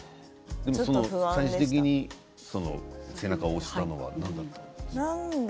最終的に背中を押したのは何だったんですか？